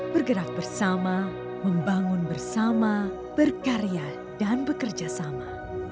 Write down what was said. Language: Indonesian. bergerak bersama membangun bersama berkarya dan bekerja sama